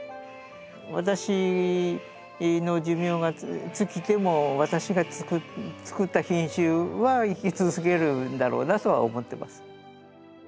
私の寿命が尽きても私がつくった品種は生き続けるんだろうなとは思ってます。